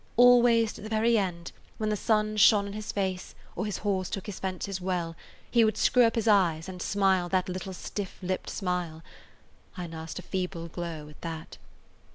Always, to the very end, when the sun shone on his face or his horse took his fences well, he would screw up his eyes and smile that little stiff lipped smile. I nursed a feeble glow at that.